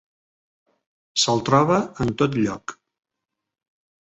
Se'l troba en tot lloc.